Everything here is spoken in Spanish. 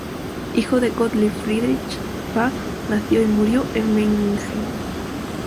Hijo de Gottlieb Friedrich Bach, nació y murió en Meiningen.